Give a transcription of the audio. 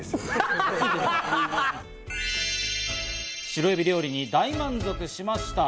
白エビ料理に大満足しました。